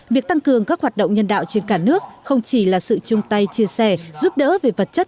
việc tăng cường các hoạt động nhân đạo trên cả nước không chỉ là sự chung tay chia sẻ giúp đỡ về vật chất